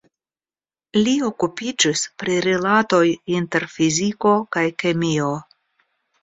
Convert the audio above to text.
Li okupiĝis pri rilatoj inter fiziko kaj kemio.